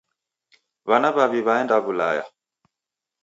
W'ana w'aw'i w'aenda w'ulaya.